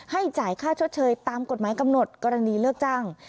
จ่ายค่าชดเชยตามกฎหมายกำหนดกรณีเลิกจ้าง